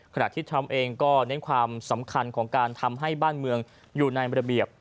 ขณะที่ทรัมป์เองก็เน้นความสำคัญของการทำให้บ้านเมืองอยู่ในระเบียบ